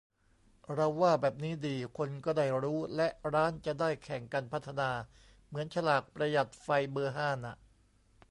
เราว่าแบบนี้ดี คนก็ได้รู้ และร้านจะได้แข่งกันพัฒนา เหมือนฉลากประหยัดไฟเบอร์ห้าน่ะ